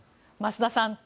増田さん。